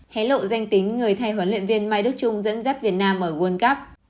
hé lộ danh tính người thay huấn luyện viên mai đức trung dẫn dắt việt nam ở world cup